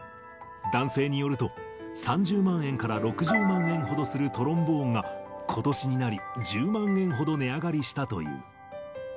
男性によると、３０万円から６０万円ほどするトロンボーンが、ことしになり、１０万円ほど値上がりしたという。